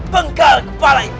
menggal kepala ibu